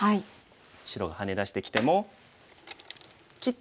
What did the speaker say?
白がハネ出してきても切って。